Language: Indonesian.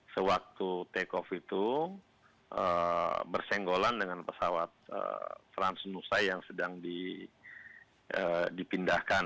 sewaktu take off itu bersenggolan dengan pesawat transnusa yang sedang dipindahkan